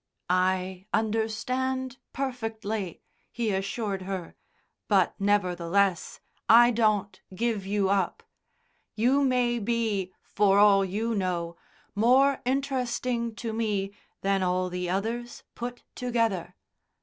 "I understand perfectly," He assured her. "But, nevertheless, I don't give you up. You may be, for all you know, more interesting to me than all the others put together.